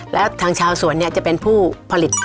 แล้วทางชาวสวนจะเป็นผู้ผลิต